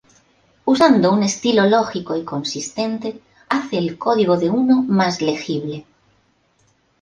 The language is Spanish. Usando un estilo lógico y consistente hace el código de uno más legible.